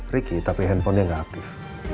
riki tapi handphone nya gak aktif